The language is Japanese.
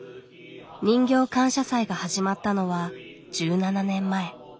人形感謝祭が始まったのは１７年前。